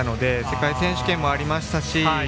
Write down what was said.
世界選手権もありましたし。